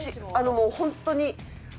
もう本当に。